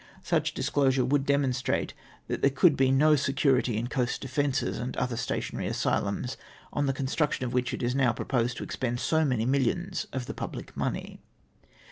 Such disclosure would demonstrate that there could be no security in coast defences and other stationary asylums, on the construction of which it is now proposed to expend so many millions of the public money.